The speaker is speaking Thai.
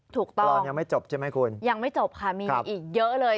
ตอนรอนยังไม่จบใช่ไหมคุณยังไม่จบค่ะมีอีกเยอะเลย